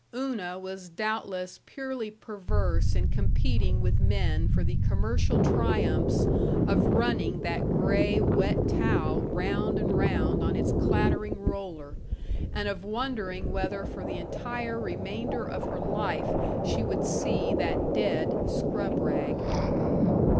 Una was doubtless purely perverse in competing with men for the commercial triumphs of running that gray, wet towel round and round on its clattering roller, and of wondering whether for the entire remainder of her life she would see that dead scrub rag.